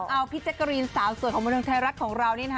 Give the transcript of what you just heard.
เอาพี่แจ๊กากรีนสาวสวยของมดรงไทยรักของเรานี้